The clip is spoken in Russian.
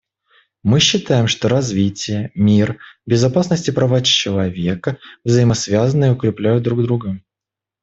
Мы считаем, что развитие, мир, безопасность и права человека взаимосвязаны и укрепляют друг друга.